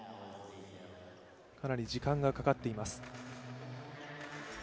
かなり時間がかかっています。